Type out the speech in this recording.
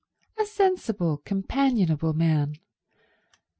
A sensible, companionable man.